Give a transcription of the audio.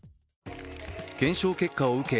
検証結果を受け